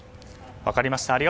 分かりました。